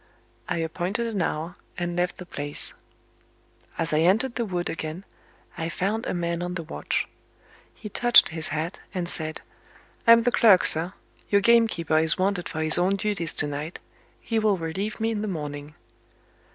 I appointed an hour, and left the place. As I entered the wood again, I found a man on the watch. He touched his hat, and said: "I'm the clerk, sir. Your gamekeeper is wanted for his own duties to night; he will relieve me in the morning."